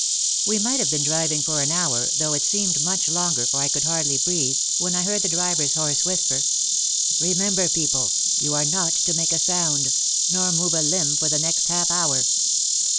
We might have been driving for an hour, though it seemed much longer for I could hardly breathe, when I heard the driver's hoarse whisper, "Remember, people, you are not to make a sound, nor move a limb for the next half hour."